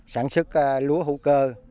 sản xuất lúa hữu cơ